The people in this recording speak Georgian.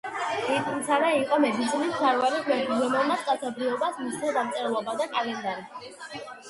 იტცამნა იყო მედიცინის მფარველი ღმერთი, რომელმაც კაცობრიობას მისცა დამწერლობა და კალენდარი.